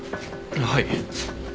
はい。